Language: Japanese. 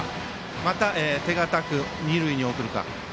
もしくは手堅く二塁に送るか。